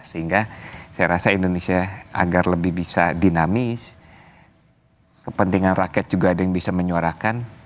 sehingga saya rasa indonesia agar lebih bisa dinamis kepentingan rakyat juga ada yang bisa menyuarakan